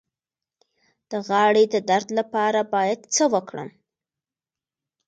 د غاړې د درد لپاره باید څه وکړم؟